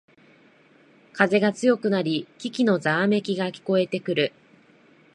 風が強くなり木々のざわめきが聞こえてくる